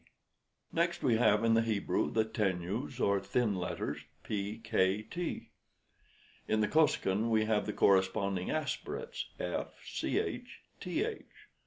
Next we have in the Hebrew the tenues, or thin letters P, K, T. In the Kosekin we have the corresponding aspirates F, Ch, Th.